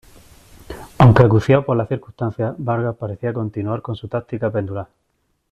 Aunque acuciado por las circunstancias, Vargas parecía continuar con su táctica pendular.